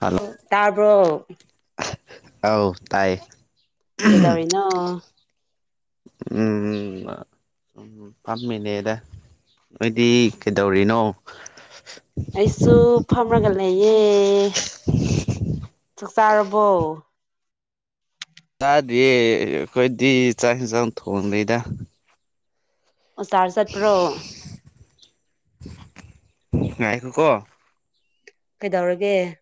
Hello ꯇꯥꯕ꯭ꯔꯣ ꯑꯧ ꯇꯥꯏꯌꯦ ꯀꯩꯗꯧꯔꯤꯅꯣ ꯎꯝ ꯎ ꯎꯝ ꯐꯝꯃꯤꯅꯦꯗ ꯅꯣꯢꯗꯤ ꯀꯩꯗꯧꯔꯤꯅꯣ ꯑꯩꯁꯨ ꯐꯝꯔꯒ ꯂꯩꯌꯦ ꯆꯥꯛ ꯆꯥꯔꯕꯣ ꯆꯥꯗꯔꯤꯌꯦ ꯑꯩꯈꯣꯏꯗꯤ ꯆꯥꯛ ꯍꯤꯟꯟꯖꯥꯡ ꯊꯣꯡꯗꯔꯤꯗ ꯕꯖꯥꯔ ꯆꯠ ꯄ꯭ꯔꯣ ꯉꯥꯏꯈꯣ ꯀꯣ ꯀꯩꯗꯧꯔꯒꯦ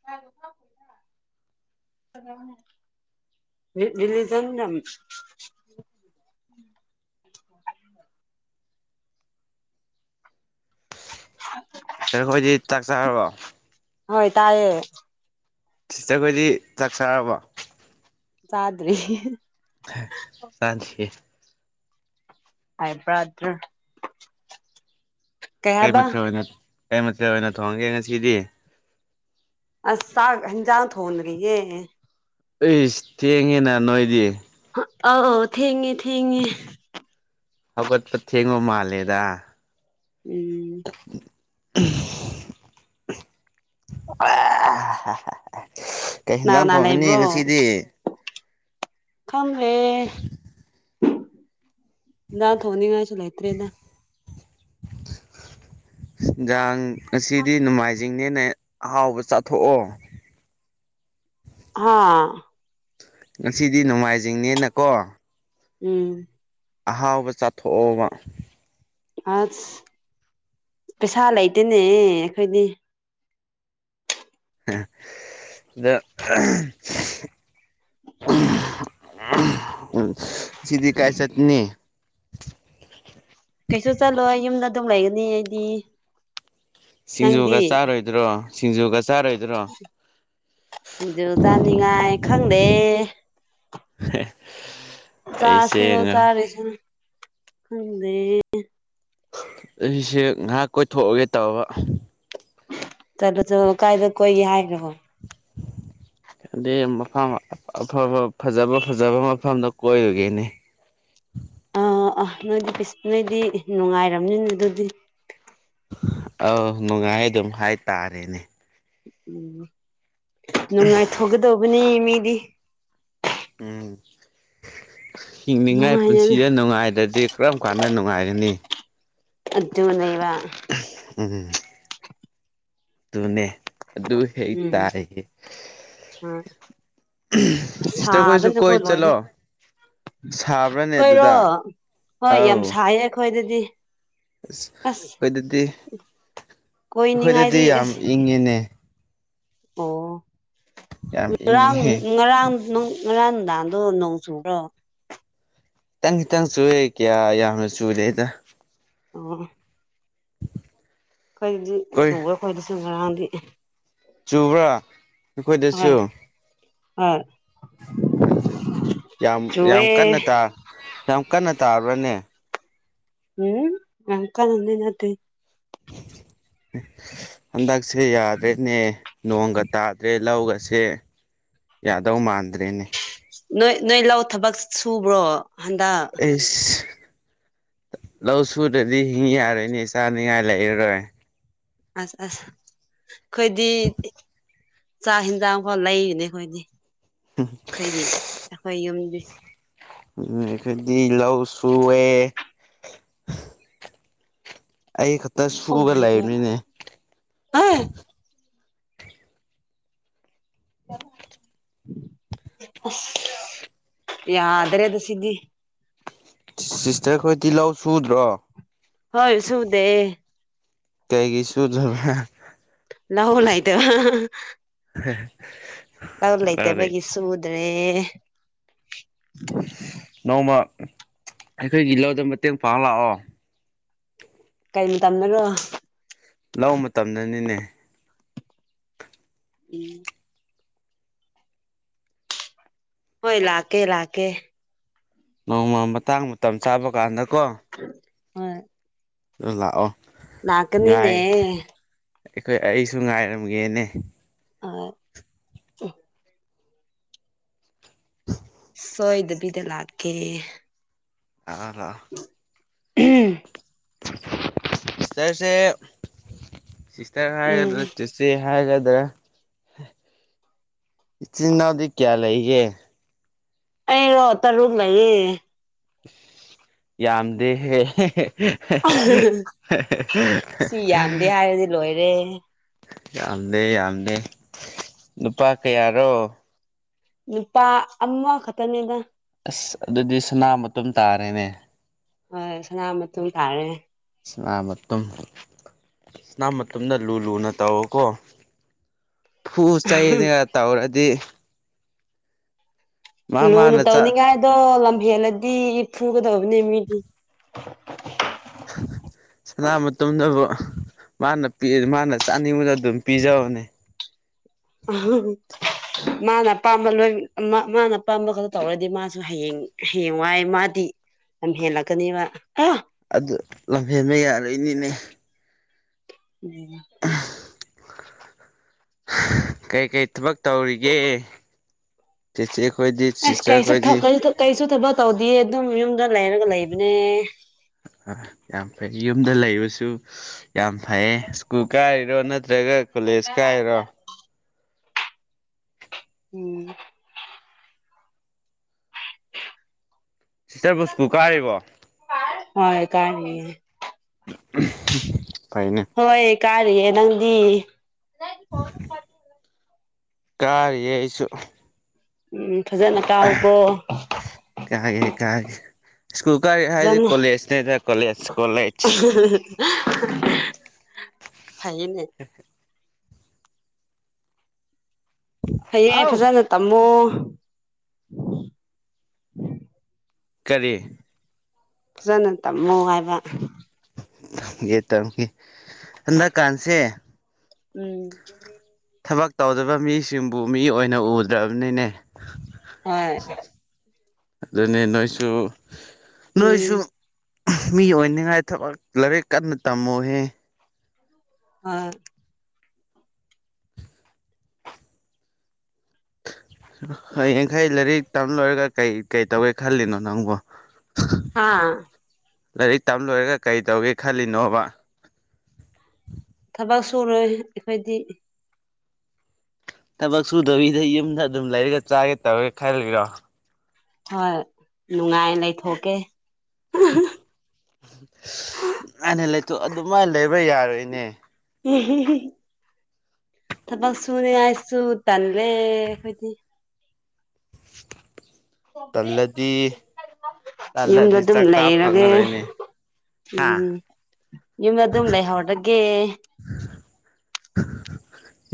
[inaudible] ꯔꯤꯂꯤꯖꯟ ꯌꯥꯝ [inaudible] ꯎ [inaudible] ꯅꯥꯈꯣꯏꯗꯤ ꯆꯥꯛ ꯆꯥꯔꯕꯣ ꯍꯣꯏ ꯇꯥꯏꯌꯦ ꯁꯤꯇꯔ ꯈꯣꯏꯗꯤ ꯆꯥꯛ ꯆꯥꯔꯕꯣ ꯆꯥꯗ꯭ꯔꯤ ꯍꯤꯍꯤ ꯆꯗꯔꯤ ꯌꯦ ꯍꯥꯏ ꯕ꯭ꯔꯥꯗ꯭ꯔꯥ ꯀꯩ ꯃꯊꯦꯜ ꯑꯣꯏꯅ ꯀꯩ ꯃꯊꯦꯜ ꯑꯣꯏꯅ ꯊꯣꯡꯒꯦ ꯉꯁꯤꯗꯤ ꯑꯁ ꯆꯥꯛ ꯍꯦꯟꯖꯥꯡ ꯊꯣꯡ ꯗꯔꯤꯌꯦ ꯑꯩꯁ ꯊꯦꯡꯉꯦꯅ ꯅꯣꯏꯗꯤ ꯑꯥꯎ ꯊꯦꯡꯉꯦ ꯊꯦꯡꯉꯦ ꯍꯧꯒꯠꯄ ꯊꯦꯡꯕ ꯃꯥꯜꯂꯦꯗ ꯎꯝ [inaudible] ꯀꯩ ꯀꯅꯥ ꯍꯦꯟꯖꯥꯡ ꯀꯅꯥ ꯊꯣꯡꯒꯅꯤ ꯂꯩꯕ꯭ꯔꯣ ꯉꯁꯤꯗꯤ ꯈꯪꯗꯔ꯭ꯦ ꯊꯣꯡꯅꯤꯡꯉꯥꯏꯁꯨ ꯂꯩꯇ꯭ꯔꯦꯗ [unintelligible] ꯏꯟꯖꯥꯡ ꯉꯁꯤꯗꯤ ꯅꯣꯡꯃꯥꯏꯖꯤꯡꯅꯦꯅꯦ ꯑꯍꯥꯎꯕ ꯆꯥꯊꯣꯛꯑꯣ ꯍꯥꯥ ꯉꯁꯤꯗꯤ ꯅꯣꯡꯃꯥꯏꯖꯤꯡꯅꯦꯅꯀꯣ ꯎꯝ ꯑꯍꯥꯎꯕ ꯆꯥꯊꯣꯛꯑꯣꯕ ꯑ ꯄꯩꯁꯥ ꯂꯩꯇꯦꯅꯦ ꯑꯩꯈꯣꯏꯗꯤ [unintelligible] [unintelligible] ꯎ ꯉꯥꯁꯤꯗꯤ ꯀꯥꯏ ꯆꯠꯅꯤ ꯀꯩꯁꯨ ꯆꯠꯂꯣꯏ ꯌꯨꯝꯗ ꯑꯗꯨꯝ ꯂꯩꯒꯅꯤ ꯑꯩꯗꯤ ꯁꯤꯡꯖꯨꯒ ꯅꯪꯗꯤ ꯆꯥꯔꯣꯏꯗ꯭ꯔꯣ ꯁꯤꯡꯖꯨꯒ ꯆꯥꯔꯣꯏꯗ꯭ꯔꯣ ꯁꯤꯡꯖꯨ ꯆꯥꯅꯤꯡꯉꯥꯏ ꯈꯪꯗꯦ ꯍꯦ ꯆꯥꯁꯔꯣ ꯆꯥꯔꯦꯁꯤꯅ ꯈꯪꯗꯦ ꯑꯩꯁꯦ ꯉꯥꯏꯍꯥꯛ ꯀꯣꯏꯊꯣꯛꯑꯒꯦ ꯇꯧꯕ ꯆꯠꯂꯣ ꯆꯠꯂꯣ ꯀꯥꯏꯗ ꯀꯣꯏꯒꯦ ꯍꯥꯏꯅꯣ ꯑꯗꯨꯗꯤ ꯃꯐꯝ ꯑꯐꯕ ꯐꯖꯕ ꯐꯖꯕ ꯃꯐꯝꯗꯣ ꯀꯣꯏꯔꯨꯒꯦꯅꯦ ꯑꯥ ꯑꯥ ꯅꯣꯏꯗꯤ ꯅꯣꯏꯗꯤ ꯅꯨꯡꯉꯥꯏꯔꯝꯅꯤꯅꯦ ꯑꯗꯨꯗꯤ ꯑꯥꯎ ꯅꯨꯡꯉꯥꯏ ꯑꯗꯨꯝ ꯍꯥꯏꯇꯥꯔꯦꯅꯦ ꯎꯝ ꯅꯨꯡꯉꯥꯏꯊꯣꯛꯒꯗꯧꯕꯅꯤ ꯃꯤꯗꯤ ꯎꯝ ꯍꯤꯡꯅꯤꯡꯉꯥꯏ ꯅꯨꯡꯉꯥꯏꯅ ꯄꯨꯟꯁꯤꯗ ꯅꯨꯡꯉꯥꯏꯔꯗꯤ ꯀꯔꯝ ꯀꯥꯟꯅ ꯅꯨꯡꯉꯥꯏꯒꯅꯤ? ꯑꯗꯨꯅꯦꯕ ꯎꯝ ꯎꯝ ꯑꯗꯨꯅꯦ ꯑꯗꯨ ꯍꯦꯛ ꯎꯝ ꯇꯥꯏꯌꯦ ꯍꯣꯏ ꯁꯤꯁꯇꯔ ꯈꯣꯏꯁꯨ ꯀꯣꯏ ꯆꯠꯂꯣ ꯁꯥꯕ꯭ꯔꯅꯦ ꯀꯣꯏꯔꯣ ꯑꯗꯨꯗ ꯍꯣꯏ ꯌꯥꯝ ꯑꯧ ꯁꯥꯏꯌꯦ ꯑꯩꯈꯣꯏꯗꯗꯤ ꯑꯁ ꯑꯩꯈꯣꯏꯗꯗꯤ ꯀꯣꯏꯅꯤꯡꯉꯥꯏꯗꯤ ꯑꯩꯈꯣꯏꯗꯗꯤ ꯌꯥꯝ ꯑꯁ ꯏꯪꯉꯤꯅꯦ꯫ ꯑꯣ ꯌꯥꯝ ꯉꯔꯥꯡ ꯏꯪꯉꯤꯍꯦ ꯉꯔꯥꯡ ꯅꯣꯡ ꯉꯔꯥꯡ ꯅꯨꯡꯗꯥꯡꯗꯣ ꯅꯣꯡ ꯆꯨꯕ꯭ꯔꯣ? ꯈꯤꯇꯪ ꯈꯤꯇꯪ ꯆꯨꯌꯦ ꯀ꯭ꯌꯥ ꯌꯥꯝꯅ ꯆꯨꯗꯦꯗ꯫ ꯑꯣ ꯑꯩꯈꯣꯏꯗꯤ ꯀꯣꯏ ꯆꯨꯒ ꯑꯩꯈꯣꯏꯗꯁꯨ ꯉꯔꯥꯡꯗꯤ ꯆꯨꯕ꯭ꯔꯥ? ꯑꯩꯈꯣꯏꯗꯁꯨ ꯍꯣꯏ ꯑꯥ ꯑꯗꯨ ꯌꯥꯝ ꯌꯥꯝ ꯀꯟꯅ ꯇꯥ ꯆꯨꯋꯦ ꯌꯥꯝ ꯀꯟꯅ ꯇꯥꯕ꯭ꯔꯅꯦ? ꯎꯝ ꯌꯥꯝ ꯀꯟꯅꯗꯤ ꯅꯠꯇꯦ꯫ [unintelligible] ꯍꯟꯗꯛꯁꯦ ꯌꯥꯗ꯭ꯔꯦꯅꯦ ꯅꯣꯡꯒ ꯇꯥꯗ꯭ꯔꯦ ꯂꯧꯒꯁꯦ ꯌꯥꯗꯧ ꯃꯥꯟꯗ꯭ꯔꯦꯅꯦ꯫ ꯅꯣꯏ ꯅꯣꯏ ꯂꯧ ꯊꯕꯛ ꯁꯨꯕ꯭ꯔꯣ ꯍꯟꯗꯛ? ꯏꯁ ꯂꯧ ꯁꯨꯗꯗꯤ ꯍꯤꯡ ꯌꯥꯔꯣꯏꯅꯤ ꯆꯥꯅꯤꯡꯉꯥꯏ ꯂꯩꯔꯔꯣꯏ꯫ ꯑꯁ ꯑꯁ ꯈꯣꯏꯗꯤ ꯆꯥꯛ ꯍꯤꯟꯖꯥꯡꯐꯥꯎ ꯂꯩꯔꯤꯅꯦ ꯑꯩꯈꯣꯏꯗꯤ꯫ [unintelligible] ꯈꯣꯏꯒꯤ ꯑꯩꯈꯣꯏ ꯌꯨꯝꯗꯤ ꯑꯩꯈꯣꯏꯗꯤ ꯂꯧ ꯁꯨꯑꯦ꯫ ꯑꯩ ꯈꯛꯇ ꯑꯣ ꯁꯨꯒ ꯃꯥꯏ ꯒꯣꯠ ꯂꯩꯕꯅꯤꯅꯦ ꯍꯩ ꯑꯁ ꯌꯥꯗ꯭ꯔꯦꯗ ꯁꯤꯗꯤ꯫ ꯁꯤꯁꯇꯔ ꯈꯣꯏꯗꯤ ꯂꯧ ꯁꯨꯗ꯭ꯔꯣ? ꯍꯣꯏ ꯁꯨꯗꯦ ꯀꯩꯒꯤ ꯁꯨꯗ꯭ꯔꯕ? ꯂꯧ ꯂꯩꯇꯕ [unintelligible] ꯂꯧ ꯂꯩꯇꯕꯒꯤ ꯁꯨꯗ꯭ꯔꯦ꯫ ꯅꯣꯡꯃ ꯑꯩꯈꯣꯏꯒꯤ ꯂꯧꯗ ꯃꯇꯦꯡ ꯄꯥꯡ ꯂꯥꯛꯑꯣ꯫ ꯀꯩ ꯃꯇꯝꯗꯔꯣ? ꯂꯧ ꯃꯇꯝꯗꯅꯤꯅꯦ ꯎꯝ ꯍꯣꯏ ꯂꯥꯛꯀꯦ ꯂꯥꯛꯀꯦ꯫ ꯅꯣꯡꯃ ꯃꯇꯥꯡ ꯃꯇꯝ ꯆꯥꯕ ꯀꯥꯟꯗꯀꯣ꯫ ꯍꯣꯏ ꯑꯗꯨ ꯂꯥꯛꯑꯣ ꯉꯥꯏ ꯂꯥꯛꯀꯅꯤꯅꯦ ꯑꯩꯈꯣꯏ ꯑꯩꯁꯨ ꯉꯥꯏꯔꯝꯒꯦꯅꯦ꯫ ꯍꯣꯏ ꯁꯣꯏꯗꯕꯤꯗ ꯂꯥꯛꯀꯦ ꯂꯥꯛꯑꯣ ꯂꯥꯛꯑꯣ [unintelligible] ꯁꯤꯁꯇꯔꯁꯦ ꯁꯤꯁꯇꯔ ꯎꯝ ꯍꯥꯏꯒꯗ꯭ꯔ ꯆꯤ ꯆꯦ ꯍꯥꯏꯒꯗ꯭ꯔꯥ ꯏꯆꯤꯟ ꯏꯅꯥꯎꯗꯤ ꯀꯌꯥ ꯂꯩꯒꯦ ꯑꯩꯔꯣ ꯇꯔꯨꯛ ꯂꯩꯌꯦ ꯌꯥꯝꯗꯦꯍꯦ [unintelligible] ꯑꯩꯗꯤ ꯂꯣꯏꯔꯦ ꯌꯥꯝꯗꯦ ꯌꯥꯝꯗꯦ ꯅꯨꯄꯥ ꯀꯌꯥꯔꯣ ꯅꯨꯄꯥ ꯑꯃꯈꯛꯇꯅꯦꯗ ꯑꯁ ꯑꯗꯨꯗꯤ ꯁꯅꯥꯃꯇꯨꯝ ꯇꯥꯔꯦꯅꯦ ꯍꯣꯏ ꯁꯅꯥꯃꯇꯨꯝ ꯇꯥꯔꯦ ꯁꯅꯥꯃꯇꯨꯝ ꯁꯅꯥꯃꯇꯨꯝꯗꯣ ꯂꯨ ꯂꯨꯅ ꯇꯧꯑꯣꯀꯣ ꯐꯨ ꯆꯩꯥꯅ ꯇꯧꯔꯗꯤ ꯃꯥ ꯂꯨꯅ ꯃꯥꯅ ꯆꯥ ꯇꯧꯅꯤꯡꯉꯥꯏꯗꯣ ꯂꯝꯍꯦꯜꯂꯗꯤ ꯐꯨꯒꯗꯧꯕꯅꯦ ꯃꯤꯗꯨ [inaudible] ꯁꯅꯥꯃꯇꯨꯝ ꯗꯨꯕꯨ ꯃꯥꯅ [unintelligible] ꯃꯥꯅ ꯆꯥꯅꯤꯡꯕꯗꯣ ꯑꯗꯨꯝ ꯄꯤꯖꯧꯅꯦ ꯑꯍꯝ ꯃꯥꯅ ꯑꯄꯥꯝꯕ ꯂꯣꯏ ꯃꯥꯅ ꯑꯄꯥꯝꯕꯈꯛ ꯇꯧꯔꯗꯤ ꯃꯥꯁꯨ ꯍꯌꯦꯡ ꯍꯌꯦꯡꯋꯥꯏ ꯃꯥꯗꯤ ꯂꯝꯍꯦꯟꯂꯛꯀꯅꯤꯕ ꯑꯌꯥ ꯑꯗꯨ ꯂꯝꯍꯦꯟꯕ ꯌꯥꯔꯛꯏꯅꯤꯅꯦ [unintelligible] ꯀꯩ-ꯀꯩ ꯊꯕꯛ ꯇꯧꯔꯤꯒꯦ ꯆꯦꯆꯦ ꯈꯣꯏꯗꯤ ꯑꯁ ꯁꯤꯁꯇꯔ ꯀꯩꯁꯨ ꯈꯣꯏꯗꯤ ꯀꯩꯁꯨ ꯊꯕꯛ ꯇꯧꯗꯤꯌꯦ ꯗꯨꯝ ꯌꯨꯝꯗ ꯂꯩꯔꯒ ꯂꯩꯕꯅꯦ ꯑ ꯌꯥꯝ ꯐꯩ ꯌꯨꯝꯗ ꯂꯩꯕꯁꯨ ꯌꯥꯝ ꯐꯩ ꯁ꯭ꯀꯨꯜ ꯀꯥꯔꯤꯔꯣ ꯅꯠꯇ꯭ꯔꯒ ꯀꯣꯂꯦꯖ ꯀꯥꯏꯔꯣ ꯎꯝ ꯁꯤꯁꯇꯔꯕꯨ ꯁ꯭ꯀꯨꯜ ꯀꯥꯔꯤꯕꯣ ꯍꯣꯏ ꯀꯥꯔꯤꯌꯦ ꯐꯩꯅꯦ ꯍꯣꯏ ꯀꯥꯔꯤꯌꯦ ꯅꯪꯗꯤ ꯀꯥꯔꯤꯌꯦ ꯑꯩꯁꯨ ꯎꯝ ꯐꯖꯅ ꯀꯥꯎꯀꯣ ꯀꯥꯒꯦ ꯀꯥꯒꯦ ꯁ꯭ꯀꯨꯜ ꯀꯥꯔꯤ ꯍꯥꯏꯗꯤ ꯐꯖꯅ ꯀꯣꯂꯦꯖꯅꯦꯗ ꯀꯣꯂꯦꯖ ꯀꯣꯂꯦꯖ [unintelligible] [inaudible] ꯐꯩꯌꯦ ꯑꯥꯎ ꯐꯖꯅ ꯇꯝꯃꯣ ꯀꯔꯤ ꯐꯖꯅ ꯇꯝꯃꯣ ꯍꯥꯏꯕ ꯇꯝꯒꯦ ꯇꯝꯒꯦ ꯍꯟꯗꯛꯀꯥꯟꯁꯦ ꯎꯝ ꯊꯕꯛ ꯇꯧꯗꯕ ꯃꯤꯁꯤꯡꯕꯨ ꯃꯤ ꯑꯣꯏꯅ ꯎꯗ꯭ꯔꯕꯅꯤꯅꯦ ꯍꯥꯏ ꯑꯗꯨꯅꯤ ꯅꯣꯏꯁꯨ ꯎꯝ ꯅꯣꯏꯁꯨ ꯃꯤ ꯑꯣꯏꯅꯤꯡꯉꯥꯏ ꯊꯕꯛ ꯂꯥꯏꯔꯤꯛ ꯀꯟꯅ ꯇꯝꯃꯨꯍꯦ ꯎꯝ ꯍꯌꯦ ꯌꯥꯡꯈꯩ ꯂꯥꯏꯔꯤꯛ ꯇꯝ ꯂꯣꯏꯔꯒ ꯀꯩ ꯀꯩ ꯇꯧꯏ ꯈꯜꯂꯤꯅꯣ ꯅꯪꯕꯨꯣ ꯍꯥꯥ ꯂꯥꯏꯔꯤꯛ ꯇꯝ ꯂꯣꯏꯔꯒ ꯀꯔꯤ ꯇꯧꯒꯦ ꯈꯜꯂꯤꯅꯣꯕ ꯊꯕꯛ ꯁꯨꯔꯣꯏ ꯑꯩꯈꯣꯏꯗꯤ ꯊꯕꯛ ꯁꯨꯗꯧꯔꯤꯗ ꯌꯨꯝꯗ ꯑꯗꯨꯝ ꯂꯩꯔꯒ ꯆꯥꯒꯦ ꯇꯧꯔꯦ ꯈꯜꯂꯤꯔꯣ ꯍꯣꯏ ꯅꯨꯡꯉꯥꯏ ꯂꯩꯊꯣꯛꯀꯦ [unintelligible] ꯑꯅꯦ ꯂꯩꯇꯨ ꯑꯗꯨꯃꯥꯏꯅ ꯂꯩꯕ ꯌꯥꯔꯣꯏꯅꯦ [unintelligible] ꯊꯄꯛꯁꯨꯅꯦ ꯑꯥꯏꯁꯨ ꯇꯟꯂꯦ ꯈꯣꯏꯗꯤ ꯇꯜꯂꯗꯤ ꯌꯨꯝꯗ ꯇꯜꯂꯗꯤ ꯑꯗꯨꯝ ꯆꯥꯛ ꯆꯥ ꯂꯩꯔꯒꯦ ꯐꯪꯉꯔꯣꯏꯅꯦ ꯍꯥ ꯎꯝ ꯌꯨꯝ ꯑꯗꯨꯝ ꯂꯩꯍꯧꯔꯒꯦ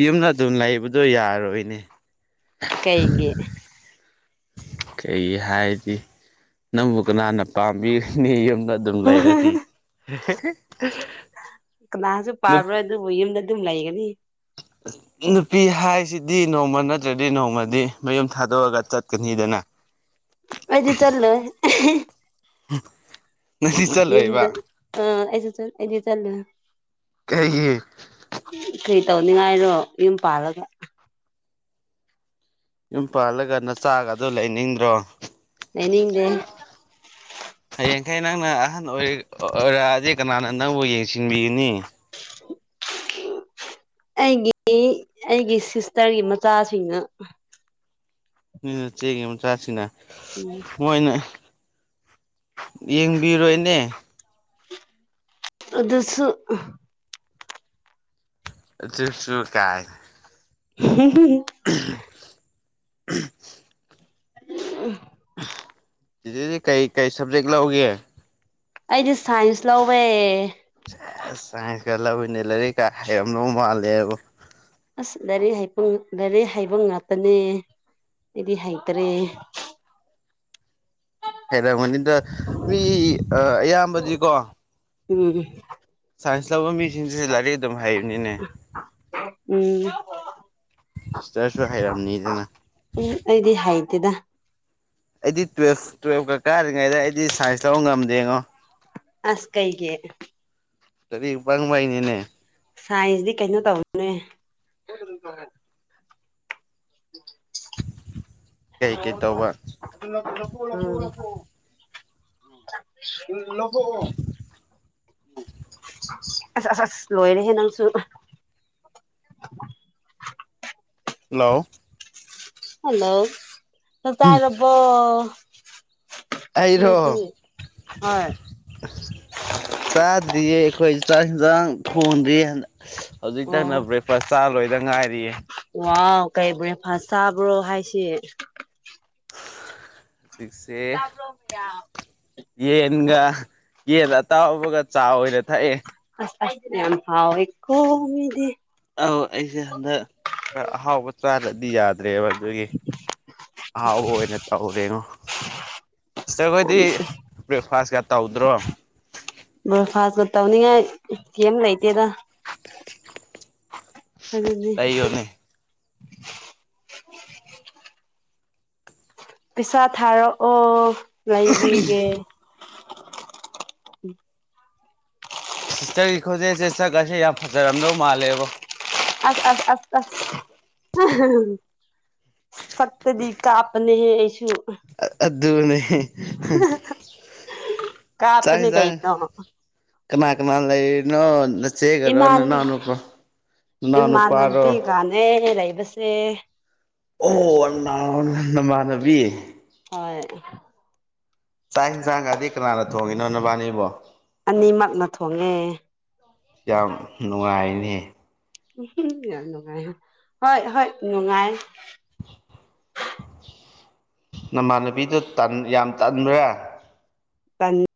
ꯌꯨꯝꯗ ꯑꯗꯨꯝ ꯂꯩꯕꯗꯣ ꯌꯥꯔꯣꯏꯅꯦ ꯀꯩꯒꯤ ꯀꯩ ꯍꯥꯏꯗꯤ ꯅꯪꯕꯨ ꯀꯅꯥꯅ ꯄꯥꯝꯕꯤꯔꯤꯅꯤ ꯌꯨꯝꯕ ꯑꯗꯨꯝ ꯂꯩꯔꯗꯤ [unintelligible] ꯀꯅꯥꯁꯨ ꯄꯥꯕ꯭ꯔꯥ ꯑꯗꯨꯕꯨ ꯌꯨꯝꯗ ꯑꯗꯨꯝ ꯂꯩꯒꯅꯤ [inaudible] ꯅꯨꯄꯤ ꯍꯥꯏꯁꯤꯗꯤ ꯅꯣꯡꯃ ꯅꯠꯇ꯭ꯔꯗꯤ ꯅꯣꯡꯃꯗꯤ ꯃꯌꯨꯝ ꯊꯥꯗꯣꯛꯑꯒ ꯆꯠꯀꯅꯤꯗꯅ [inaudible] ꯑꯩꯗꯤ ꯆꯠꯂꯣꯏ [unintelligible] ꯎꯝ ꯌꯨꯝꯗ ꯑꯩꯁꯨ ꯆꯠ ꯆꯠꯂꯅꯤ ꯀꯩꯒꯤ ꯀꯩ ꯇꯧꯅꯤꯉꯥꯏꯔꯣ ꯌꯨꯝ ꯄꯥꯜꯂꯒ ꯌꯨꯝ ꯄꯥꯜꯂꯒ ꯅꯆꯥꯒꯥꯗꯨ ꯂꯩꯅꯤꯡꯗ꯭ꯔꯣ ꯂꯩꯅꯤꯡꯗꯦ ꯍꯌꯦꯡꯈꯩ ꯅꯪꯅ ꯑꯍꯟ ꯑꯣꯏ ꯑꯣꯏꯔꯛꯑꯗꯤ ꯀꯅꯥꯅ ꯅꯪꯕꯨ ꯌꯦꯡꯁꯤꯟꯕꯤꯌꯨꯅꯤ ꯑꯩꯒꯤꯗꯤ ꯑꯩꯒꯤ ꯁꯤꯁꯇꯔꯒꯤ ꯃꯆꯥꯁꯤꯡꯅ ꯅꯣꯏ ꯅꯆꯦꯒꯤ ꯃꯆꯥꯁꯤꯡꯅ ꯎꯝ ꯃꯣꯏꯅ ꯌꯦꯡꯕꯤꯔꯣꯏꯅꯦ ꯑꯗꯨꯁꯨ ꯑꯗꯨꯁꯨ ꯀꯥꯏꯅ [inaudible] [inaudible] [unintelligible] ꯆꯦꯆꯦꯗꯤ ꯀꯔꯤ ꯀꯩ ꯁꯕꯖꯦꯛ ꯂꯧꯒꯦ ꯑꯩꯗꯤ ꯁꯥꯏꯟꯁ ꯂꯧꯋꯦ ꯁꯦꯁ ꯁꯥꯏꯟꯁ ꯀ ꯂꯧꯋꯦꯅꯦ ꯂꯥꯏꯔꯤꯛꯀꯥ ꯍꯩꯔꯝꯗꯧ ꯃꯥꯜꯂꯦꯕꯣ ꯑꯁ ꯂꯥꯏꯔꯛ ꯍꯩ ꯂꯥꯏꯔꯛ ꯍꯩꯕ ꯉꯥꯛꯇꯅꯦ ꯑꯩꯗꯤ ꯍꯩꯇ꯭ꯔꯦ ꯍꯩꯔꯝꯒꯅꯤꯗ ꯃꯤ ꯑꯌꯥꯝꯕꯗꯤꯀꯣ ꯎꯝ ꯁꯥꯏꯟꯁ ꯂꯧꯕ ꯃꯤꯁꯤꯡꯁꯦ ꯂꯥꯏꯔꯤꯛ ꯑꯗꯨꯝ ꯍꯥꯏꯕꯅꯤꯅꯦ ꯎꯝ ꯁꯤꯁꯇꯔꯁꯨ ꯍꯩꯔꯝꯅꯤ ꯑꯗꯨꯅ ꯎꯝ ꯑꯩꯗꯤ ꯍꯩꯇꯦꯗ ꯑꯩꯗꯤ ꯇꯨꯌꯦꯜꯐ ꯇꯨꯌꯦꯜꯐꯀꯥ ꯀꯥꯔꯤꯉꯩꯗ ꯑꯩꯗꯤ ꯁꯥꯏꯟꯁ ꯂꯧꯕ ꯉꯝꯗꯦꯉꯣ ꯑꯁ ꯀꯩꯒꯤ ꯂꯥꯏꯔꯤꯛ ꯄꯪꯕꯩꯅꯤꯅꯦ ꯁꯥꯏꯟꯖꯗꯤ ꯀꯩꯅꯣ ꯇꯧꯕꯅꯦ [unintelligible] ꯀꯩ ꯀꯩ ꯇꯧꯕ [unintelligible] ꯂꯧꯊꯣꯛꯑꯣ ꯑꯁ ꯑꯁ ꯑꯁ ꯂꯣꯏꯔꯦꯍꯦ ꯅꯪꯁꯨ ꯍꯜꯂꯣ ꯍꯜꯂꯣ ꯆꯥꯛ ꯆꯥꯔꯕꯣ ꯑꯩꯔꯣ ꯅꯣꯏꯗꯤ ꯍꯣꯏ ꯆꯥꯗ꯭ꯔꯤꯌꯦ ꯑꯩꯈꯣꯏ ꯆꯥꯛ ꯍꯤꯟꯖꯥꯡ ꯊꯣꯡꯗ꯭ꯔꯤꯌꯦ ꯍꯟꯗꯛ ꯍꯧꯖꯤꯛꯇꯅ ꯕ꯭ꯔꯦꯛ ꯄ ꯆꯥ ꯂꯣꯏꯗ ꯉꯥꯏꯔꯤꯌꯦ ꯋꯥ ꯀꯩ ꯕ꯭ꯔꯦꯛꯐꯥꯁ ꯆꯥꯕꯔꯣ ꯍꯥꯏꯁꯤ ꯁꯤꯛꯁ ꯇꯥꯕ꯭ꯔꯣ ꯃꯌꯥꯝ ꯌꯦꯟꯒ ꯌꯦꯟ ꯑꯇꯥꯎꯕꯒ ꯆꯥ ꯑꯣꯏꯅ ꯊꯛꯑꯦ ꯑꯁ ꯑꯁ ꯌꯥꯝ ꯍꯥꯎꯋꯦꯀꯣ ꯃꯤꯗꯤ ꯑꯧ ꯑꯩꯁꯦ ꯍꯟꯗꯛ ꯈꯔ ꯑꯍꯥꯎꯕ ꯆꯥꯗꯔꯗꯤ ꯌꯥꯗ ꯗ꯭ꯔꯦꯕ ꯑꯗꯨꯒꯤ ꯑꯍꯥꯎꯕ ꯑꯣꯏꯅ ꯇꯧꯔꯦꯉꯣ ꯌꯥꯝ ꯁꯤꯁꯇꯔꯈꯣꯏꯗꯤ ꯕ꯭ꯔꯦꯛꯐꯥꯁꯀ ꯇꯧꯗ꯭ꯔꯣ ꯕ꯭ꯔꯦꯐꯥꯁꯀ ꯇꯧꯅꯤꯡꯉꯥꯏ ꯀꯦꯝ ꯂꯩꯇꯦꯗ ꯑꯗꯨꯗꯤ ꯂꯩꯌꯣꯅꯦ ꯄꯩꯁꯥ ꯊꯥꯔꯛꯑꯣ ꯂꯩꯕꯤꯒꯦ ꯁꯤꯁꯇꯔꯒꯤ ꯈꯣꯖꯦꯜꯁꯦ ꯁꯛꯀꯥꯁꯦ ꯌꯥꯝ ꯐꯖꯔꯝꯗꯧ ꯃꯥꯜꯂꯦꯕꯣ ꯑꯁ ꯑꯁ ꯑꯁ ꯑꯁ ꯁꯛꯇꯗꯤ ꯀꯥꯞꯄꯅꯦꯍꯦ ꯑꯩꯁꯨ ꯑꯠ ꯑꯗꯨꯅꯦ ꯆꯥꯛ ꯀꯥꯞꯄꯅꯦ ꯌꯦꯟꯁꯥꯡ ꯀꯩꯅꯣ ꯀꯅꯥ ꯀꯅꯥ ꯂꯩꯔꯤꯅꯣ ꯅꯥꯆꯦꯒꯔꯣ ꯏꯃꯥꯟ ꯅꯅꯥꯎꯅꯨꯄꯥ ꯅꯅꯥꯎ ꯅꯨꯄꯥꯔꯣ [unintelligible] ꯂꯩꯕꯁꯦ ꯑꯣ [unintelligible] ꯅꯃꯥꯟꯅꯕꯤ ꯍꯣꯏ ꯆꯥꯛ ꯍꯤꯟꯁꯥꯡꯒꯗꯤ ꯀꯅꯥꯅ ꯊꯣꯡꯉꯤꯅꯣ ꯅꯕꯥꯅꯤꯕꯣ ꯑꯅꯤꯃꯛꯅ ꯊꯣꯡꯉꯦ ꯌꯥꯝ ꯅꯨꯡꯉꯥꯏꯅꯦꯍꯦ ꯎꯝ ꯅꯨꯡꯉꯥꯏꯅꯦ ꯍꯣꯏ ꯍꯣꯏ ꯅꯨꯡꯉꯥꯏ ꯅꯃꯥꯟꯅꯕꯤꯗꯣ ꯇꯟ ꯌꯥꯝ ꯇꯟꯕ꯭ꯔꯥ ꯇꯟ